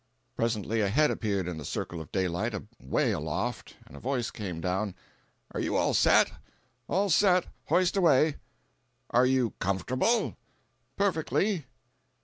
Presently a head appeared in the circle of daylight away aloft, and a voice came down: "Are you all set?" "All set—hoist away." "Are you comfortable?" "Perfectly."